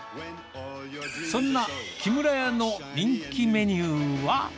そんなキムラヤの人気メニューは。